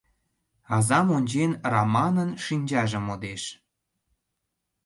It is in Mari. Азам ончен, Раманын шинчаже модеш.